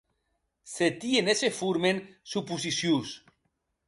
Se tien e se formen suposicions.